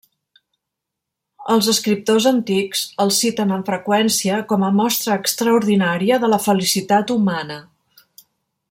Els escriptors antics el citen amb freqüència com a mostra extraordinària de la felicitat humana.